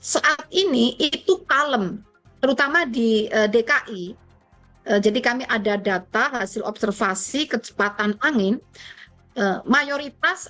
saat ini itu kalem terutama di dki jadi kami ada data hasil observasi kecepatan angin mayoritas